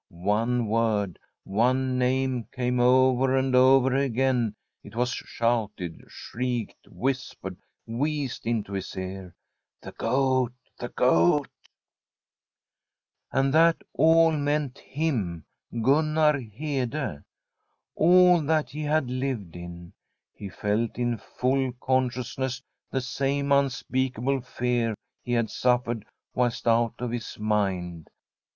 One word, one name came over and over again: it was shouted, shrieked, whispered, wheezed into his ear —' The Goat I the Goat !' And that all meant him, Gun nar Hede. All that he had lived in. He felt in full consciousness the same unspeakable fear he had suffered whilst out of his mind.